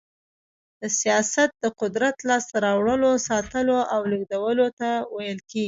سياست د قدرت لاسته راوړلو، ساتلو او لېږدولو ته ويل کېږي.